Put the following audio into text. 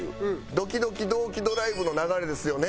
ドキドキ同期ドＬＩＶＥの流れですよね？